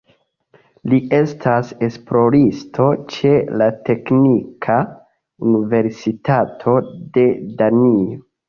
Li estas esploristo ĉe la Teknika Universitato de Danio.